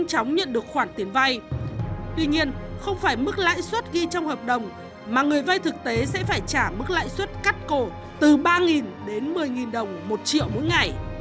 tuy nhiên không phải mức lãi suất ghi trong hợp đồng mà người vay thực tế sẽ phải trả mức lãi suất cắt cổ từ ba đến một mươi đồng một triệu mỗi ngày